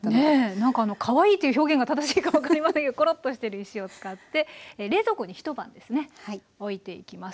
なんかあのかわいいっていう表現が正しいか分かりませんけどころっとしてる石を使って冷蔵庫に一晩ですねおいていきます。